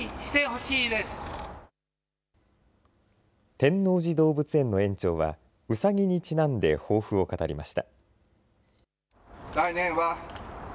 天王寺動物園の園長はウサギにちなんで抱負を語りました。